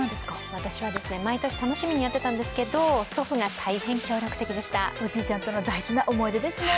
私はですね、毎年楽しみにやってたんですけど、祖父が大変協力的でしたおじいちゃんとの大事な思い出ですね。